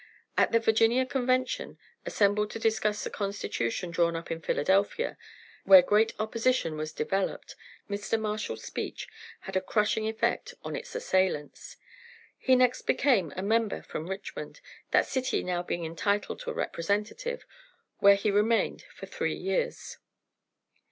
At the Virginia Convention, assembled to discuss the constitution drawn up at Philadelphia, where great opposition was developed, Mr. Marshall's speech had a crushing effect on its assailants. He next became a member from Richmond, that city now being entitled to a representative, where he remained for three years.